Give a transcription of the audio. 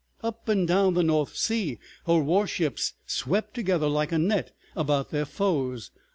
Up and down the North Sea her warships swept together like a net about their foes.